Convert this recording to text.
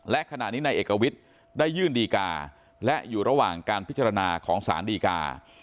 และขณะนี้นายเอกวิทย์ได้ยื่นดีกาและอยู่ระหว่างการพิจารณาของสารดีกา